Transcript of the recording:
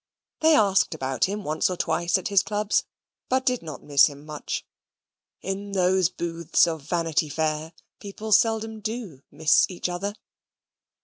They asked about him once or twice at his clubs, but did not miss him much: in those booths of Vanity Fair people seldom do miss each other.